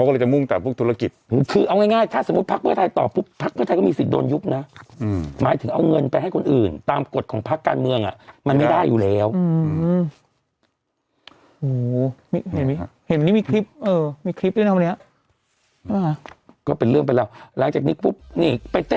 ในธุรกิจของตนอันนี้นะอันนี้ก่อนหน้านั้นนะ